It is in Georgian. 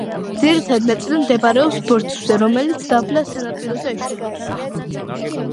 ძირითადი ნაწილი მდებარეობს ბორცვზე, რომელიც დაბლა, სანაპიროზე ეშვება.